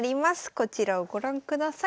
こちらをご覧ください。